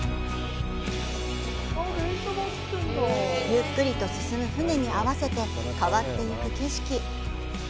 ゆっくりと進む船に合わせて変わってゆく景色。